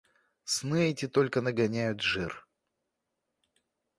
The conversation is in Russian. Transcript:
Сны эти только нагоняют жир.